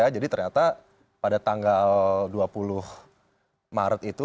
jadi ternyata pada tanggal dua puluh maret itu